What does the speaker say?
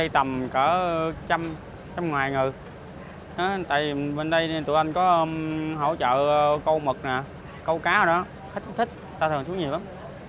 tại vì bên đây tụi anh có hỗ trợ câu mực câu cá khách thích ta thường xuống nhiều lắm